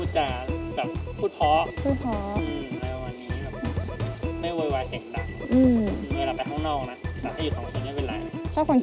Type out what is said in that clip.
ชอบผู้หญิง